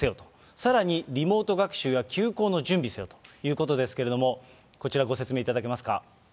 さらに、リモート学習や休校の準備せよということですけれども、こちら、ご説明いただけますか。